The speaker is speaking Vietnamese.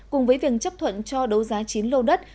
cùng với việc chấp thuận cho đấu giá chín lô đất